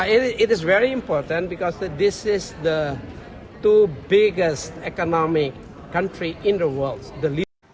jadi ini sangat penting karena ini adalah dua negara ekonomi yang paling besar di dunia